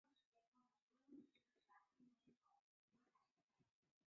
它也是广州城市形象的标志性建筑和旅游观光景点之一。